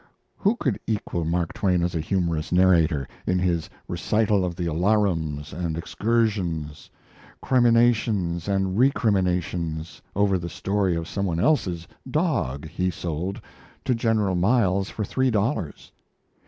Who could equal Mark Twain as a humorous narrator, in his recital of the alarums and excursions, criminations and recriminations, over the story of somebody else's dog he sold to General Miles for three dollars?